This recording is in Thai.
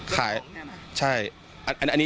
ขายจากตัวของนี่ไหม